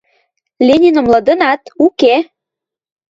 Лениным лыдынат, уке?